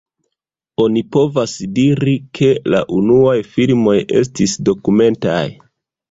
Oni povas diri ke la unuaj filmoj estis dokumentaj.